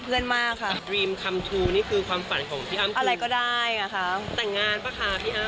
เพราะเนื้อเพลงเขาก็บอกแล้วว่าเมื่อไถท์จะได้แต่งสักที